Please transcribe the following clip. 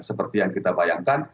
seperti yang kita bayangkan